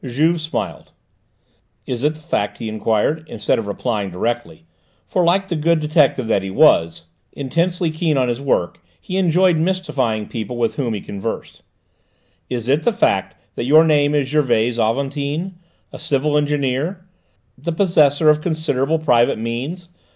Juve smiled. "Is it the fact," he enquired, instead of replying directly, for like the good detective that he was, intensely keen on his work, he enjoyed mystifying people with whom he conversed, "is it the fact that your name is Gervais Aventin? A civil engineer? The possessor of considerable private means?